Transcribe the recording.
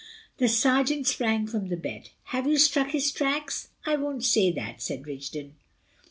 The sergeant sprang from the bed. "Have you struck his tracks?" "I won't say that," said Rigden.